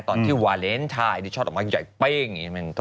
ตอนวาเลนทัยที่ชอดออกมาใหญ่ปลิ้ง